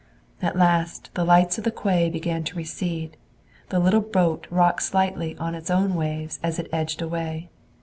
At last the lights of the quay began to recede. The little boat rocked slightly in its own waves as it edged away.